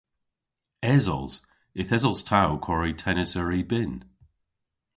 Esos. Yth esos ta ow kwari tennis er y bynn.